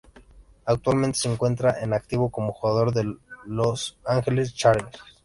Actualmente se encuentra en activo como jugador de los Los Angeles Chargers.